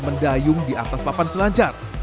mendayung di atas papan selancar